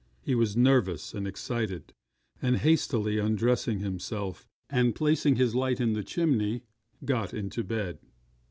He was nervous and excited; and hastily undressing himself and placing his light in the chimney, got into bed.